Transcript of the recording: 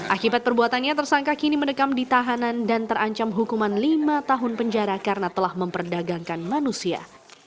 akibat perbuatannya tersangka kini mendekam di tahanan dan terancam hukuman lima tahun penjara karena telah memperdagangkan manusia